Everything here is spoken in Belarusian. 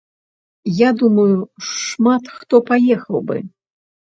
Я думаю, шмат хто паехаў бы.